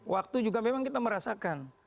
waktu juga memang kita merasakan